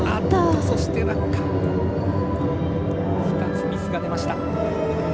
２つミスが出ました。